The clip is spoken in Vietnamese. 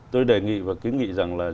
tôi đề nghị và kính nghị rằng là